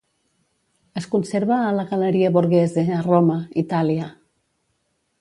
Es conserva a la Galeria Borghese a Roma, Itàlia.